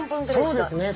そうですね。